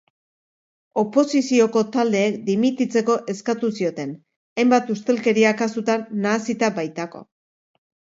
Oposizioko taldeek dimititzeko eskatu zioten, hainbat ustelkeria kasutan nahasita baitago.